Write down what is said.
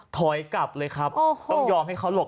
ถอยกลับเลยครับต้องยอมให้เขาหลบ